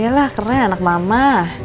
yalah keren anak mama